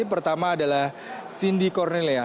pertama adalah cindy cornelia